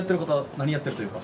何やってるというか。